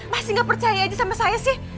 masih gak percaya aja sama saya sih